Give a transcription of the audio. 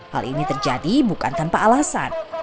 hal ini terjadi bukan tanpa alasan